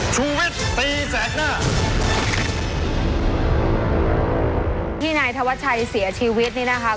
ที่นายธวชัยเสียชีวิตนี่นะคะ